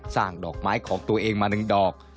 สร้างดอกไม้ของตัวเองมาหนึ่งดอก